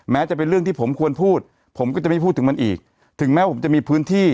จะเป็นเรื่องที่ผมควรพูดผมก็จะไม่พูดถึงมันอีกถึงแม้ว่าผมจะมีพื้นที่